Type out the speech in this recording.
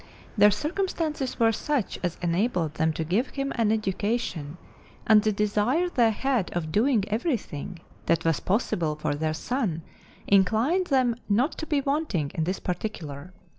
Their circumstances were such as enabled them to give him an education; and the desire they had of doing everything that was possible for their son inclined them not to be wanting in this particular.